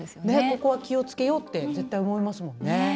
ここは気をつけようって絶対思いますもんね。